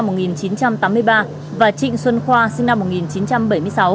vương đình khanh sinh năm một nghìn chín trăm tám mươi ba và trịnh xuân khoa sinh năm một nghìn chín trăm bảy mươi sáu